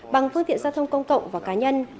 bằng phương tiện giao thông công cộng và cá nhân